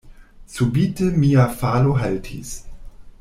Subite mia falo haltis.